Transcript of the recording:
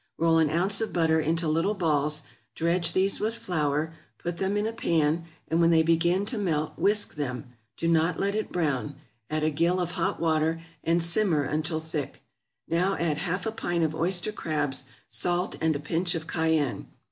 Roll an ounce of butter into little balls, dredge these with flour, put them in a pan, and when they begin to melt whisk them; do not let it brown; add a gill of hot water, and simmer until thick; now add half a pint of oyster crabs, salt, and a pinch of cayenne.